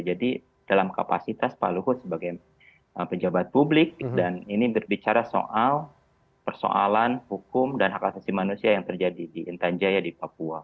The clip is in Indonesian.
jadi dalam kapasitas pak luhut sebagai penjabat publik dan ini berbicara soal persoalan hukum dan hak asasi manusia yang terjadi di intan jaya di papua